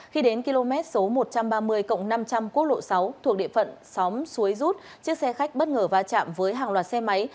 khi đến km số một trăm ba mươi năm trăm linh quốc lộ sáu thuộc địa phận xóm xuối rút chiếc xe khách bất ngờ va chạm với hàng loạt xe máy